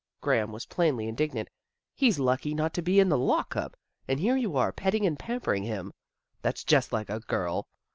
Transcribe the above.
" Graham was plainly in dignant. " He's lucky not to be in the lock up, and here you are petting and pampering him. That's just like a girl.